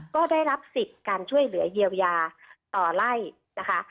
ก็ได้รับสิทธิ์การช่วยเหลือเยียวยาต่อไล่นะคะ